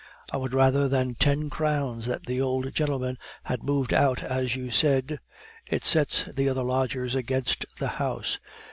I would rather than ten crowns that the old gentlemen had moved out as you said. It sets the other lodgers against the house.